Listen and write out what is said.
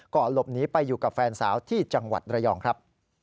หลบหนีไปอยู่กับแฟนสาวที่จังหวัดระยองครับ